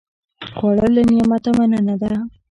خوړل له نعمته مننه ده